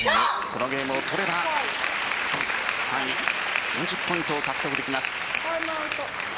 このゲームを取れば３位４０ポイントを獲得できます。